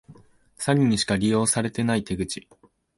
詐欺にしか利用されてない手口